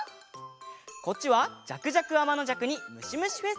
こっちは「じゃくじゃくあまのじゃく」に「むしむしフェスティバル」。